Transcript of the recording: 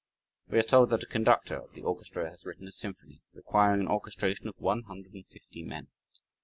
We are told that a conductor (of the orchestra) has written a symphony requiring an orchestra of one hundred and fifty men.